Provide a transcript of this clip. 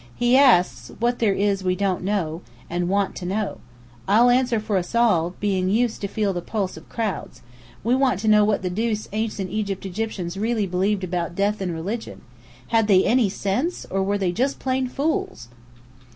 He asks what there is we don't know, and want to know. I'll answer for us all, being used to feel the pulse of crowds. We want to know what the deuce Ancient Egyptians really believed about death and religion. Had they any sense, or were they just plain fools?"